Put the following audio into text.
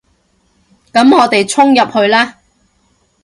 噉我哋衝入去啦